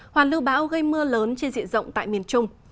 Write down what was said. hoàn lưu bão gây mưa lớn trên diện rộng tại miền trung